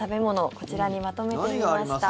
こちらにまとめてみました。